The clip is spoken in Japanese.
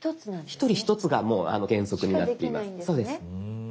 １人１つがもう原則になってます。